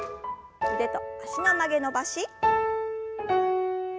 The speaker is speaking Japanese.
腕と脚の曲げ伸ばし。